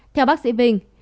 theo bác sĩ vinh